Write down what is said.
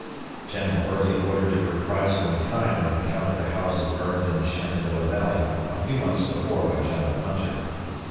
General Early ordered a reprisal in kind on account of the houses burned in the Shenandoah Valley a few months before by General Hunter.